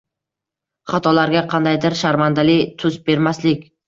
Xatolarga qandaydir sharmandali tus bermaslik